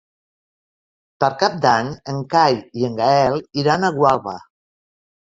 Per Cap d'Any en Cai i en Gaël iran a Gualba.